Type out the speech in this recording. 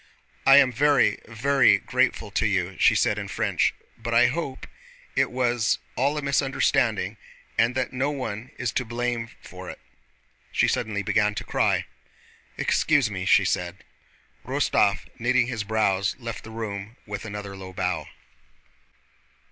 "I am very, very grateful to you," she said in French, "but I hope it was all a misunderstanding and that no one is to blame for it." She suddenly began to cry. "Excuse me!" she said. Rostóv, knitting his brows, left the room with another low bow.